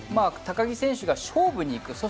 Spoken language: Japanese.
高木選手が勝負に行く。